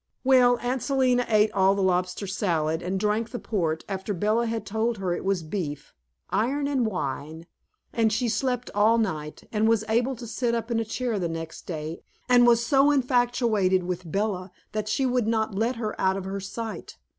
Well, Aunt Selina ate all the lobster salad, and drank the port after Bella had told her it was beef, iron and wine, and she slept all night, and was able to sit up in a chair the next day, and was so infatuated with Bella that she would not let her out of her sight.